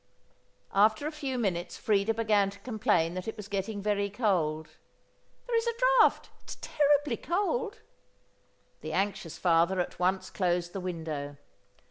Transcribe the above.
After a few minutes Freda began to complain that it was getting very cold. "There is a draught! It's terribly cold!" The anxious father at once closed the window.